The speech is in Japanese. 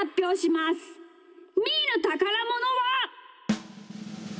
みーのたからものは。